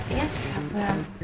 iya sih apa